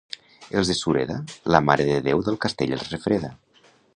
Els de Sureda, la Mare de Déu del Castell els refreda.